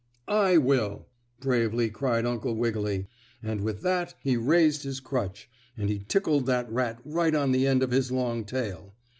"I will!" bravely cried Uncle Wiggily, and with that he raised his crutch, and he tickled that rat right on the end of his long tail.